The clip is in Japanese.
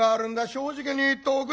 正直に言っておくれ」。